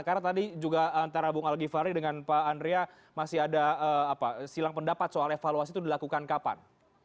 karena tadi juga antara bung al givhary dengan pak andrea masih ada silang pendapat soal evaluasi itu dilakukan kapan